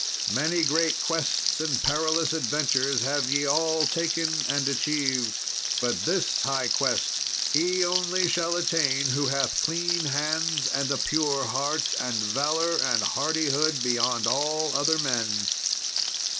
Many great quests and perilous adventures have ye all taken and achieved, but this high quest he only shall attain who hath clean hands and a pure heart, and valour and hardihood beyond all othermen."